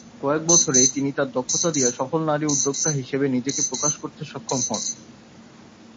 কয়েক বছরেই তিনি তার দক্ষতা দিয়ে সফল নারী উদ্যোক্তা হিসেবে নিজেকে প্রকাশ করতে সক্ষম হন।